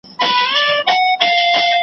په دې ښار کي د وګړو « پردی غم نیمی اختر دی» .